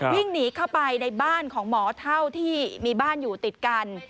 วิ่งหนีเข้าไปในบ้านของหมอเท่าที่มีบ้านอยู่ติดกัน